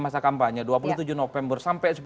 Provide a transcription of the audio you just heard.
masa kampanye dua puluh tujuh november sampai